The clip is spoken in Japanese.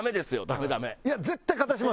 ダメダメ。